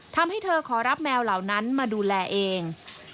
ทำให้เธอขอรับแมวเหล่านั้นมาดูแลเอง